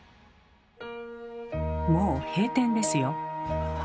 もう閉店ですよ。